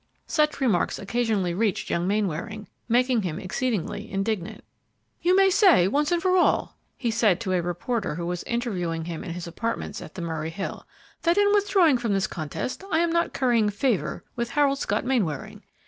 Such remarks occasionally reached young Mainwaring, making him exceedingly indignant. "You may say, once and for all," he said to a reporter who was interviewing him in his apartments at the Murray Hill, "that in withdrawing from this contest I am not currying favor with Harold Scott Mainwaring.